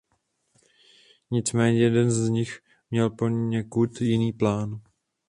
Nicméně jeden z nich měl poněkud jiný plán.